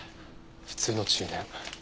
普通の中年。